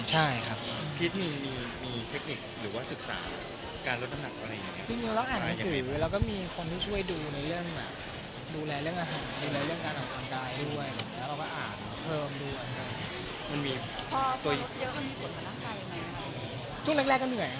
แสดงว่ามันต้องเห็นแบบการหลบเสื้ออะไรแบบเนี้ย